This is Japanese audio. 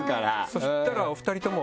そしたらお二人とも。